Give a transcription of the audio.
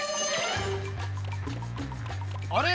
あれ？